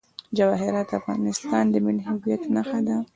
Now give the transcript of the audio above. جواهرات د افغانستان د ملي هویت نښه ده.